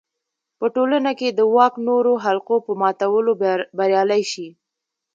په ټولنه کې د واک نورو حلقو په ماتولو بریالی شي.